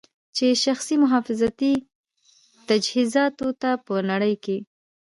چې شخصي محافظتي تجهیزاتو ته په نړۍ کې